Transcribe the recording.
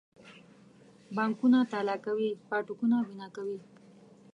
بانکونه تالا کوي پاټکونه بنا کوي.